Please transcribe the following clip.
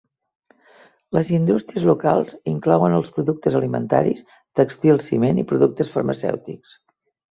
Les indústries locals inclouen els productes alimentaris, tèxtils, ciment i productes farmacèutics.